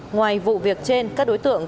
ngoài vụ việc trên các đối tượng